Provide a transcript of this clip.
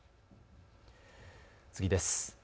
次です。